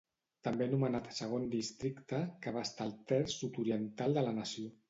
També anomenat Segon Districte, que abasta el terç sud-oriental de la nació.